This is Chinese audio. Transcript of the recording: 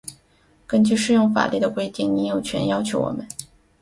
根据适用法律的规定，您有权要求我们：